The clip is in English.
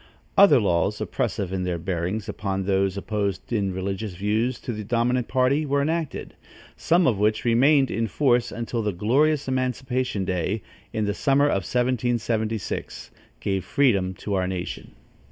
Other laws oppressive in their bearings upon those opposed in religious views to the dominant party were enacted, some of which remained in force until the glorious emancipation day, in the summer of 1776, gave freedom to our nation.